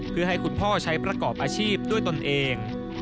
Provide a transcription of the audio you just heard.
เพื่อให้คุณพ่อใช้ประกอบอาชีพด้วยตนเอง